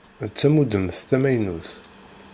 D tamudemt tamaynut.